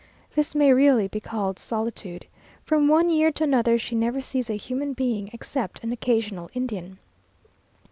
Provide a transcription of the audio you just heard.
This may really be called solitude. From one year to another she never sees a human being, except an occasional Indian.